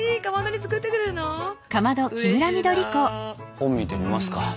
本見てみますか。